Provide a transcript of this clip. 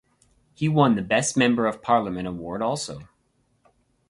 He won best member of parliament award also.